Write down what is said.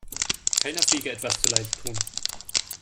Keiner Fliege etwas zuleide tun.